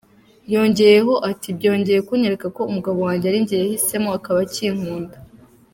Yongeyeho ati ”Byongeye kunyereka ko umugabo wanjye ari jye yahisemo, akaba akinkunda”.